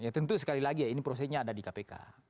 ya tentu sekali lagi ya ini prosesnya ada di kpk